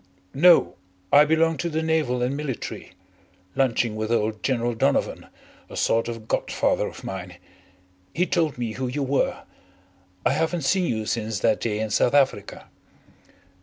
"No. I belong to the Naval and Military. Lunching with old General Donovan, a sort of god father of mine. He told me who you were. I haven't seen you since that day in South Africa."